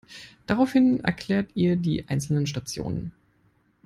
Daraufhin erklärt ihr die einzelnen Stationen.